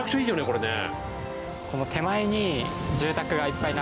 これね。